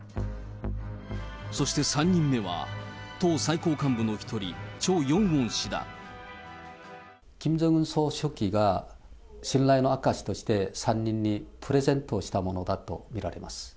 そして３人目は党最高幹部の一人、キム・ジョンウン総書記が、信頼の証しとして３人にプレゼントしたものだと見られます。